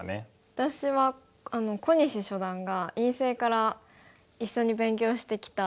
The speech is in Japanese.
私は小西初段が院生から一緒に勉強してきた。